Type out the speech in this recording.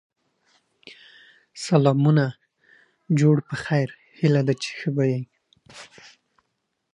وصيت د مرګ وروسته شرعي لارښوونه ده